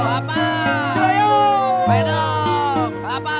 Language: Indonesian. bapak bapak bapak